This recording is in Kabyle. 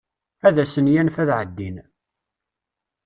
Ad asen-yanef ad ɛeddin.